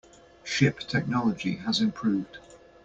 Ship technology has improved.